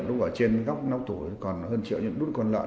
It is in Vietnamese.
lúc ở trên góc nấu tủ còn hơn triệu những đút con lợn